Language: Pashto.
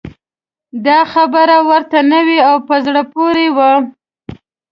دا خبره ورته نوې او په زړه پورې وه.